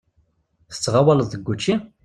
Tettɣawaleḍ deg wučči?